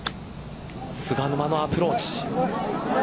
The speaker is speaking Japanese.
菅沼のアプローチ。